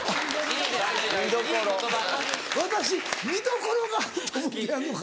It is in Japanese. ・いい言葉・私見どころがあると思ってやるのか。